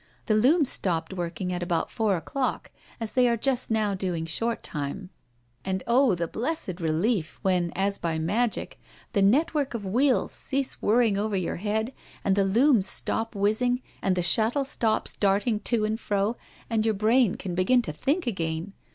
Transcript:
" The looms stopped working at about four o'clock as they are just now doing short time, and oh, the blessed relief when, as by magic, the network of wheels cease whirring just over your head, and the looms stop whizzing, and the shuttle stops darting to and fro, and your brain can begin to think again.